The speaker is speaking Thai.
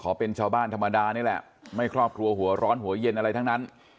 เป็นชาวบ้านธรรมดานี่แหละไม่ครอบครัวหัวร้อนหัวเย็นอะไรทั้งนั้น